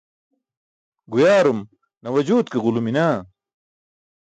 Guyaarum nawajut ke ġulumi naa?